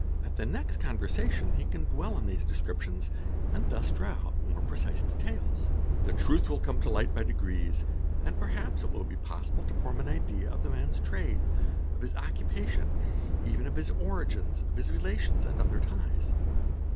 At the next conversation he can dwell on these descriptions and thus draw out more precise details. The truth will come to light by degrees and perhaps it will be possible to form an idea of a man's trade, of his occupation, even of his origin, of his relations, and other ties.